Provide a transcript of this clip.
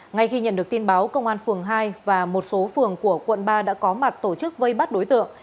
ngay khi nhận được tin báo công an phường hai và một số phường của quận ba đã có mặt tổ chức vây bắt đối tượng